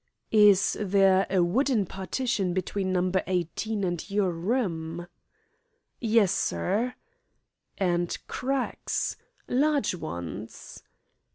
"Is there a wooden partition between No. 18 and your room?" "Yes, sir." "And cracks large ones?"